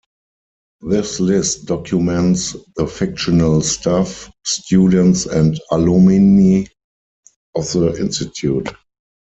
This list documents the fictional staff, students and alumni of the Institute.